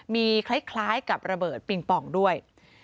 มีคล้ายกับระเบิดปิงปองด้วย